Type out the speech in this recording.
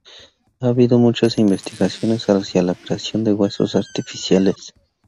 Ha habido muchas investigaciones hacia la creación de huesos artificiales.